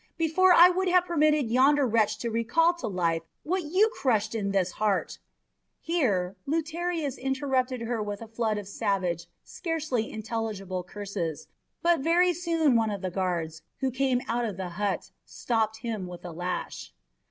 Before I would have permitted yonder wretch to recall to life what you crushed in this heart " Here Lutarius interrupted her with a flood of savage, scarcely intelligible curses, but very soon one of the guards, who came out of the hut, stopped him with a lash.